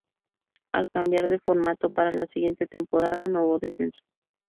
Al cambiar de formato para la siguiente temporada no hubo descenso.